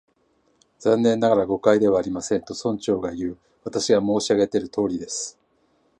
「残念ながら、誤解ではありません」と、村長がいう。「私が申し上げているとおりです」